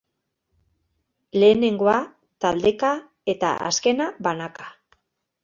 Lehenengoa, taldeka, eta azkena, banaka.